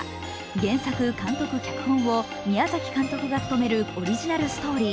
原作、監督、脚本を宮崎監督が務めるオリジナルストーリー。